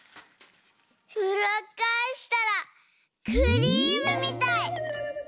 うらっかえしたらクリームみたい！